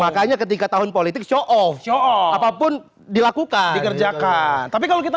makanya ketika tahun politik show off show off apapun dilakukan dikerjakan tapi kalau kita